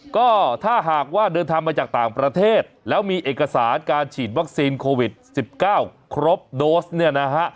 ก็ถ้าหากว่าเดินทางมาจากต่างประเทศแล้วมีเอกสารการฉีดวัคซีนโควิด๑๙ครบโดสเนี่ยนะฮะ